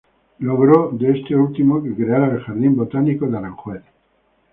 Logró de este último que creara el Jardín botánico de Aranjuez.